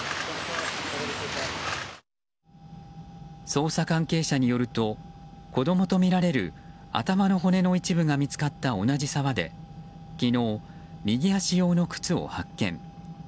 捜査関係者によると子供とみられる頭の骨の一部が見つかった同じ沢で昨日、右足用の靴を発見。